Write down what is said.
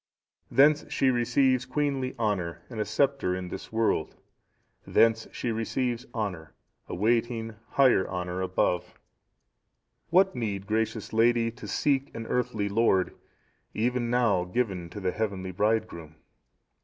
"Thence she receives queenly honour and a sceptre in this world; thence she receives honour, awaiting higher honour above. "What need, gracious lady, to seek an earthly lord, even now given to the Heavenly Bridegroom?